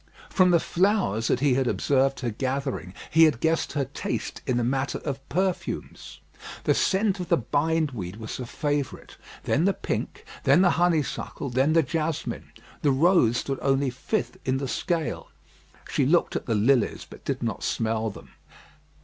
From the flowers that he had observed her gathering he had guessed her taste in the matter of perfumes. The scent of the bindweed was her favourite, then the pink, then the honeysuckle, then the jasmine. The rose stood only fifth in the scale. She looked at the lilies, but did not smell them.